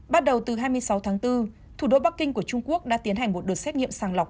bắt đầu từ hai mươi sáu tháng bốn thủ đô bắc kinh của trung quốc đã tiến hành một đợt xét nghiệm sàng lọc